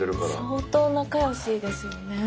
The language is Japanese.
相当仲良しですよね。